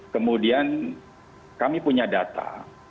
kemudian kami punya data